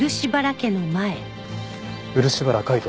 漆原海斗